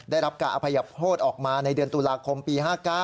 ได้รับการอภัยโทษออกมาในเดือนตุลาคมปี๕๙